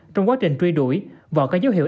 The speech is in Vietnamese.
trong quá trình truy đuổi vỏ các dấu hiệu